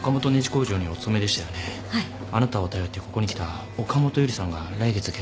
あなたを頼ってここに来た岡本由梨さんが来月結婚されるとか？